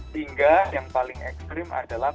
sehingga yang paling ekstrim adalah